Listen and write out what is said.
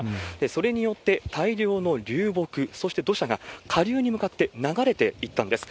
それによって、大量の流木、そして土砂が下流に向かって流れていったんです。